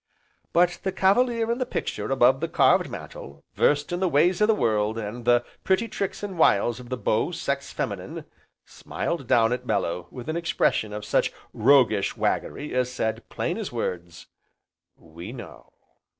But the Cavalier in the picture above the carved mantel, versed in the ways of the world, and the pretty tricks and wiles of the Beau Sex Feminine, smiled down at Bellew with an expression of such roguish waggery as said plain as words: "We know!"